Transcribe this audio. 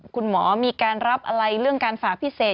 คุณหมอมีการรับอะไรเรื่องการฝากพิเศษ